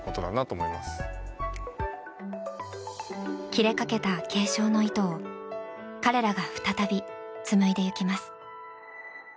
切れかけた継承の糸を彼らが再び紡いでゆきます。